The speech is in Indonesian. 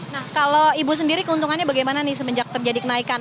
nah kalau ibu sendiri keuntungannya bagaimana nih semenjak terjadi kenaikan